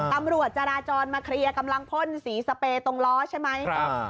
ตำรวจจราจรมาเคลียร์กำลังพ่นสีสเปรย์ตรงล้อใช่ไหม